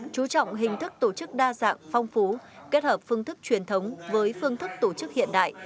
chú trọng hình thức tổ chức đa dạng phong phú kết hợp phương thức truyền thống với phương thức tổ chức hiện đại